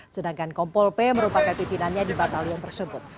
sedangkan kompol p merupakan pimpinannya di batalion tersebut